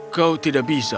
kau tidak bisa